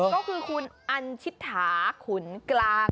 ก็คือคุณอันชิตฐาขุนกลาง